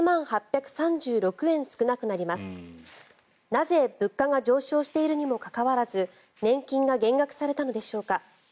なぜ物価が上昇しているにもかかわらず年金が減額されたのでしょうか。